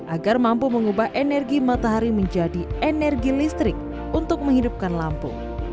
agar mampu mengubah energi matahari menjadi energi listrik untuk menghidupkan lampu